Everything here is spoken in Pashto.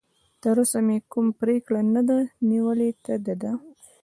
تراوسه مې کوم پرېکړه نه ده نیولې، ته د ده.